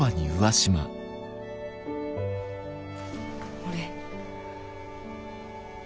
俺。